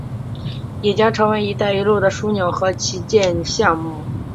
也将成为一带一路的枢纽和旗舰项目。